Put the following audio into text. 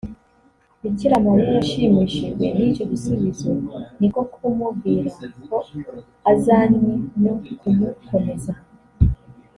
Bikiramariya yashimishijwe n’icyo gisubizo ni ko kumubwira ko azanywe no kumukomeza